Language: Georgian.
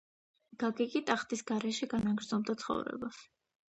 გაგიკი ტახტის გარეშე განაგრძობდა ცხოვრებას.